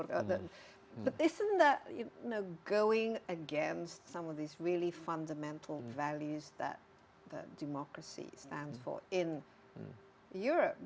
tapi bukanlah melawan beberapa nilai fundamental yang dimandangkan demokrasi di eropa